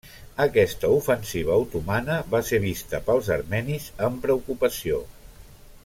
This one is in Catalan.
Aquesta ofensiva otomana va ser vista pels armenis amb preocupació.